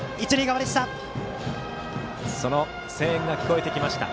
その声援が聞こえてきました。